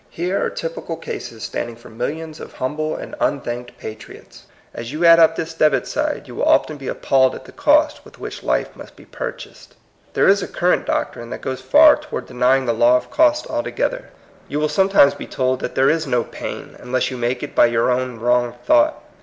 Here are typical cases standing for millions of humble and unthanked pa triots. As you add up. this debit side, you will often be appalled at the cost with which life must be purchased. There is a current doctrine that goes far toward denying the law of cost altogether. THE LAW OF COST. 97 You will sometimes be told that there is no pain, unless you make it by your own wrong thought.